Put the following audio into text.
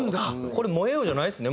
これ『燃えよ』じゃないですね。